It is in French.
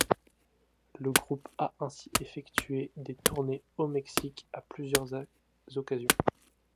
Le groupe a ainsi effectué des tournées au Mexique à plusieurs occasions.